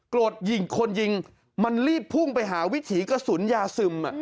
ยิงคนยิงมันรีบพุ่งไปหาวิถีกระสุนยาซึม